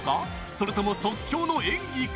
それとも即興の演技か？